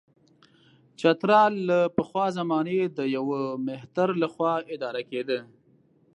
چترال له پخوا زمانې د یوه مهتر له خوا اداره کېده.